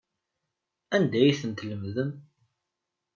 Anda ay ten-tlemdem?